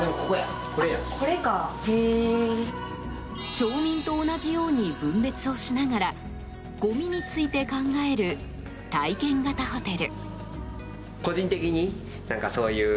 町民と同じように分別をしながらごみについて考える体験型ホテル。